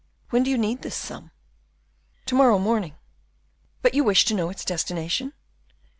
When do you need this sum?" "To morrow morning; but you wish to know its destination?"